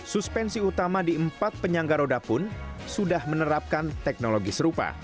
suspensi utama di empat penyangga roda pun sudah menerapkan teknologi serupa